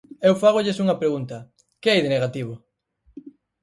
Eu fágolles unha pregunta: ¿que hai de negativo?